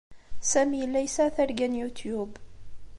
Sami yella yesɛa targa n YouTube.